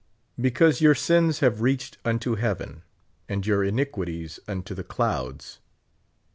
Because your sins have reached unto heaven, and your iniquities unto the clouds.